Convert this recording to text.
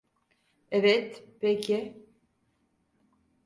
Evet, peki.